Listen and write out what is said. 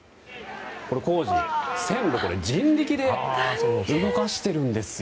工事、線路を人力で動かしているんですよ。